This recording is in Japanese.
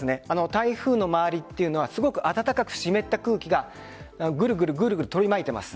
台風の周りは暖かく湿った空気がぐるぐる取り巻いています。